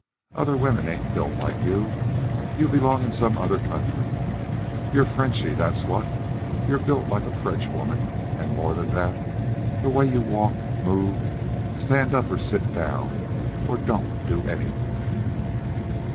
Other women ain't built like you. You belong in some other country. You're Frenchy, that's what. You're built like a French woman an' more than that the way you walk, move, stand up or sit down, or don't do anything."